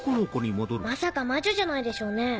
まさか魔女じゃないでしょうね。